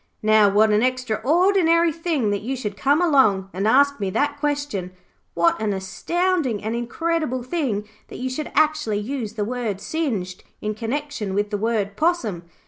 'Now, what an extraordinary thing that you should come along and ask me that question. What an astounding and incredible thing that you should actually use the word "singed" in connexion with the word "possum".